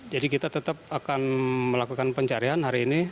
jadi kita tetap akan melakukan pencarian hari ini